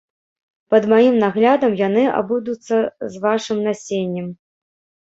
Пад маім наглядам яны абыдуцца з вашым насеннем.